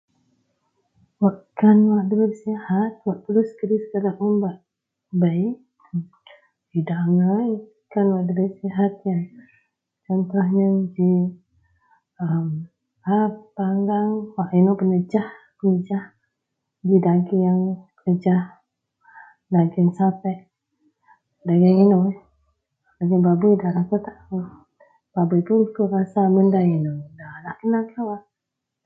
wakkan wak dabei sihat wak da perlu. [unintelligible] bei, idak agai wakan dabei sihat ien contoh ien ji wak a panggang wak inou penejah-penejah, ji daging penejah, daging sapek, daging ino eh daging babui dalah akou taou babui ien pun rasa mun da ien da lah kena kawak